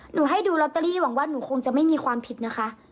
ให้ดูลอตเตอรี่หวังว่าหนูคงจะไม่มีความผิดนะคะ